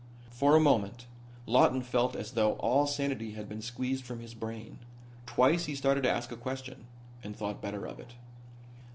For a moment Lawton felt as though all sanity had been squeezed from his brain. Twice he started to ask a question and thought better of it.